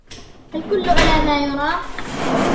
الكلّ على ما يُرام.